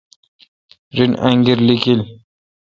رن انگیر لیکیل ۔